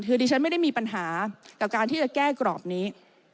คือดิฉันไม่ได้มีปัญหากับการที่จะแก้กรอบนี้